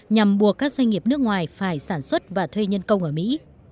nhằm buộc các doanh nghiệp nước ngoài phải sản xuất và thuê nhân công ở mỹ